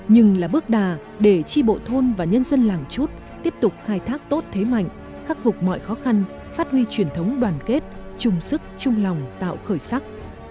nhưng là bước đà để tri bộ thôn và nhân dân làng chút tiếp tục khai thác tốt thế mạnh khắc phục mọi khó khăn phát huy truyền thống đoàn kết chung sức chung lòng tạo khởi sắc